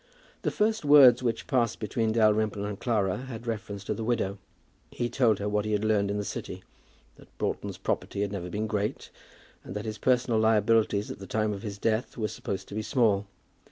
The first words which passed between Dalrymple and Clara had reference to the widow. He told her what he had learned in the City, that Broughton's property had never been great, and that his personal liabilities at the time of his death were supposed to be small.